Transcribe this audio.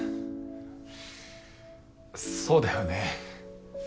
そうだよね。